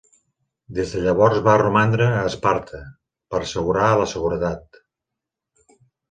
Des de llavors va romandre a Esparta per assegurar la seguretat.